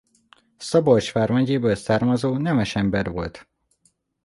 Szabolcs vármegyéből származó nemesember volt.